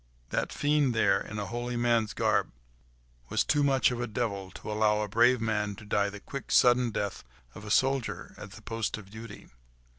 That fiend there, in a holy man's garb, was too much of a devil to allow a brave man to die the quick, sudden death of a soldier at the post of duty.